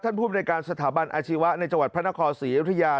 ภูมิในการสถาบันอาชีวะในจังหวัดพระนครศรีอยุธยา